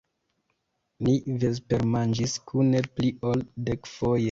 Ni vespermanĝis kune pli ol dekfoje!